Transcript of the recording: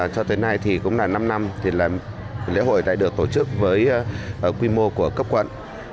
cho tới nay cũng là năm năm lễ hội đã được tổ chức với quy mô của cấp quận